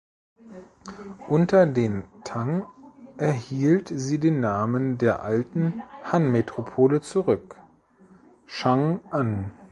Unter den Tang erhielt sie den Namen der alten Han-Metropole zurück: Chang'an.